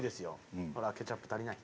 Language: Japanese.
ほらケチャップ足りない。